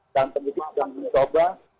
dan penyusup yang mencoba